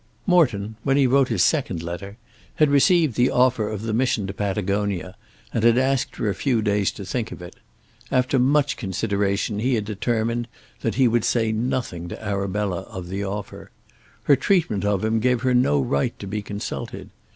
Morton, when he wrote his second letter, had received the offer of the mission to Patagonia and had asked for a few days to think of it. After much consideration he had determined that he would say nothing to Arabella of the offer. Her treatment of him gave her no right to be consulted.